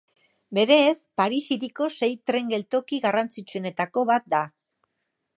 Berez, Paris hiriko sei tren geltoki garrantzitsuenetako bat da.